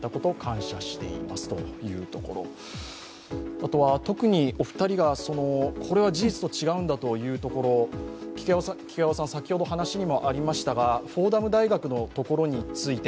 あとは特にお二人がこれは事実と違うんだというところ先ほど話にもありましたがフォーダム大学のところについて。